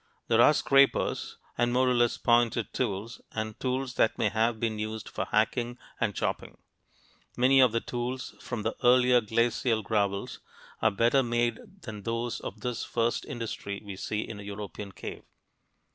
There are scrapers, and more or less pointed tools, and tools that may have been used for hacking and chopping. Many of the tools from the earlier glacial gravels are better made than those of this first industry we see in a European cave.